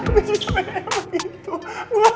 michi sebenernya emang gitu